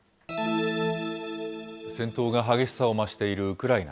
戦闘が激しさを増しているウクライナ。